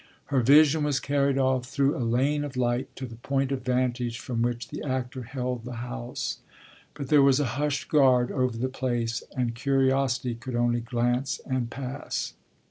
Her vision was carried off through a lane of light to the point of vantage from which the actor held the house; but there was a hushed guard over the place and curiosity could only glance and pass.